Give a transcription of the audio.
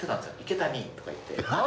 池谷！！とかいって。